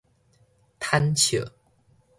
坦笑